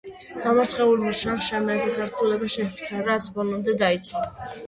დამარცხებულმა შანშემ მეფეს ერთგულება შეჰფიცა, რაც ბოლომდე დაიცვა.